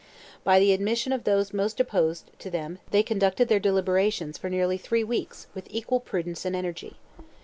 By the admission of those most opposed to them they conducted their deliberations for nearly three weeks with equal prudence and energy.